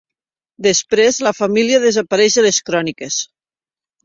Després la família desapareix de les cròniques.